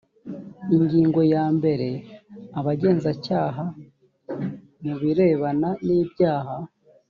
ingingo ya mbere abagenzacyaha mu birebana n’ibyaha